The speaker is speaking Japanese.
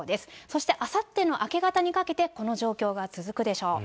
そしてあさっての明け方にかけて、この状況が続くでしょう。